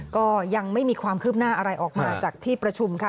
ก็ยังไม่มีความคืบหน้าอะไรออกมาจากที่ประชุมค่ะ